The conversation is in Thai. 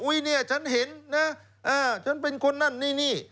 เนี่ยฉันเห็นนะฉันเป็นคนนั่นนี่นี่